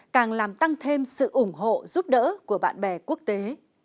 càng làm tăng thêm sự ủng hộ giúp đỡ của bạn bè quốc tế